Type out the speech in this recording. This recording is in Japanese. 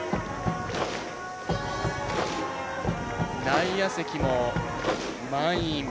内野席も満員。